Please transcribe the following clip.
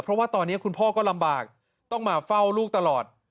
เพราะว่าตอนนี้คุณพ่อก็ลำบากต้องมาเฝ้าลูกตลอด